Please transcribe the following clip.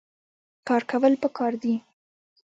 کار کول پکار دي